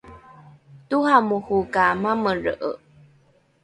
toramoro ka mamelre’e